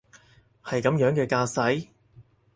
係噉樣嘅架勢？